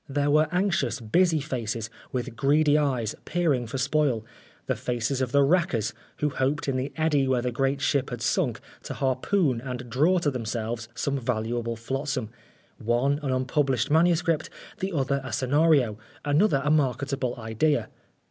There were anxious, busy faces, with greedy eyes peering for spoil the faces of the wreckers, who hoped in the eddy where the great ship had sunk to harpoon and draw to themselves some valuable flotsam one an unpublished manu script, the other a scenario, another a market able idea.